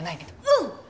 うん！